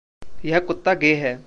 यह कुत्ता गे है।